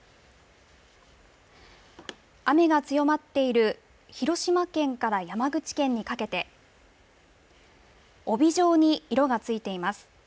雨が強まっている、広島県から山口県にかけて、帯状に色がついています。